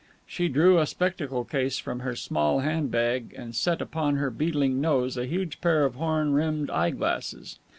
She drew a spectacle case from her small hand bag and set upon her beetling nose a huge pair of horn rimmed eye glasses.